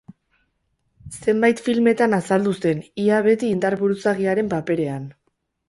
Zenbait filmetan azaldu zen, ia beti indiar buruzagiaren paperean.